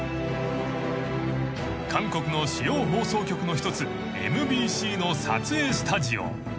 ［韓国の主要放送局の一つＭＢＣの撮影スタジオ］